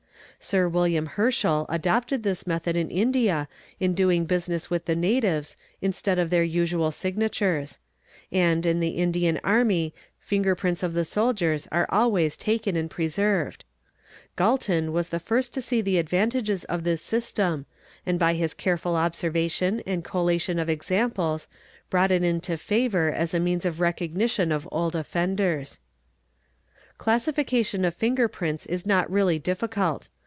Sir Wailliai Herschel adopted this method in India in doing business with the nativ instead of their usual signatures; and in the Indian army finger p in of the soldiers are always taken and preserved ©; Galton 63 829 wi the first to see the advantages of this system and by his careful obsery tion and collation of examples brought it into favour as a means" recognition of old offenders. i Classification of finger prints is not really difficult.